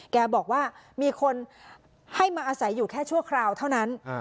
แกบอกว่ามีคนให้มาอาศัยอยู่แค่ชั่วคราวเท่านั้น